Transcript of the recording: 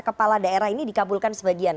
kepala daerah ini dikabulkan sebagian